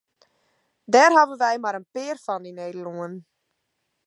Dêr hawwe wy mar in pear fan yn Nederlân.